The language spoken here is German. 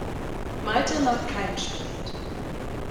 Malte mag keinen Spinat.